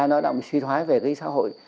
nó động suy thoái về cái xã hội